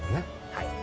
はい。